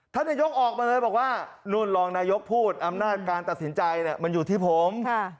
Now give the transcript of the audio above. ท่านนายกออกมาเลยบอกว่านู่นรองนายกพูดอำนาจการตัดสินใจมันอยู่ที่ผม